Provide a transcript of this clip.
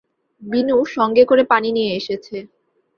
বিনু সঙ্গে করে পানি নিয়ে এসেছে।